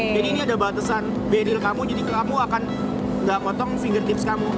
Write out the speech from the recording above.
jadi ini ada batasan bedil kamu jadi kamu akan nggak ngotong fingertips kamu